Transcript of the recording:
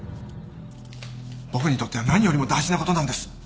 僕にとっては何よりも大事なことなんです